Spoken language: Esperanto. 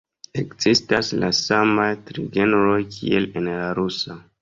Ekzistas la samaj tri genroj kiel en la rusa.